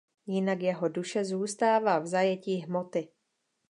Jinak jeho duše zůstává v zajetí hmoty.